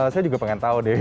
saya juga pengen tahu deh